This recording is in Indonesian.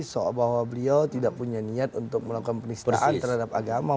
soal bahwa beliau tidak punya niat untuk melakukan penistaan terhadap agama